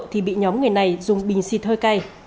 thì bị nhóm người này dùng bình xịt hơi cay